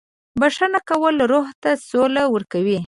• بښنه کول روح ته سوله ورکوي.